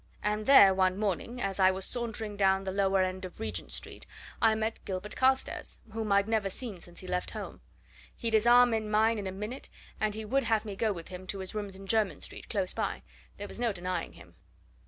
And there, one morning, as I was sauntering down the lower end of Regent Street, I met Gilbert Carstairs, whom I'd never seen since he left home. He'd his arm in mine in a minute, and he would have me go with him to his rooms in Jermyn Street, close by there was no denying him.